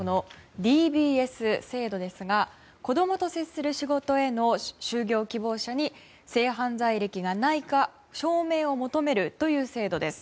ＤＢＳ制度ですが子供と接する仕事への就業希望者に性犯罪歴がないか証明を求めるという制度です。